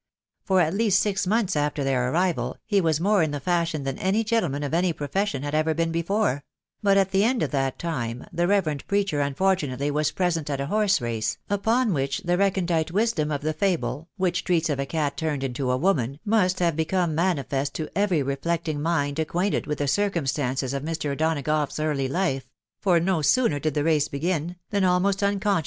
For at least six months after their arrival he was more in the fashion than any gentleman of any profession had ever been before ; but at the end of that time, the reverend preacher un fortunately was present at a horse race, upon which the recon dite wisdom of the fable, which treats of a cat turned into a woman, must have become manifest to every reflecting mind acquainted with the circumstances of Mr. O'Donagough's early life ; for no sooner did the race begin, than almost unconsci.